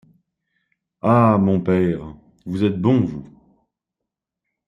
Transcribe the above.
Ah! mon père, vous êtes bon, vous !